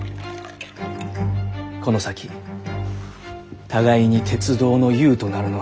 この先互いに鉄道の雄となるのはどうです？